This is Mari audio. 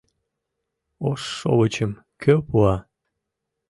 Ош шовычым кӧ пуа?